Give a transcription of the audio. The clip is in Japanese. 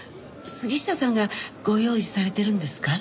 杉下さんがご用意されてるんですか？